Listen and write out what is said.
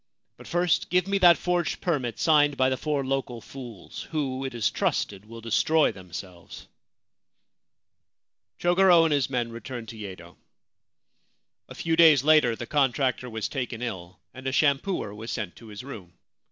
But first give me that forged permit signed by the four local fools, who, it is trusted, will destroy themselves.' The Camphor Tree Tomb Chogoro and his men returned to Yedo. A few days later the contractor was taken ill, and a shampooer was sent to his room.